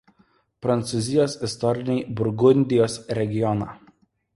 Prancūzijos istorinį Burgundijos regioną.